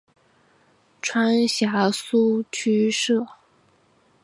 川陕苏区设。